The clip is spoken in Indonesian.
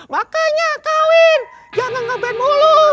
makanya kawin jangan ngeband mulu